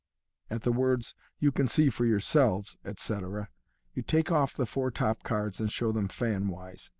'' At the words, " You can see for yourselves," etc., you take off the four top cards, and show them f anwise.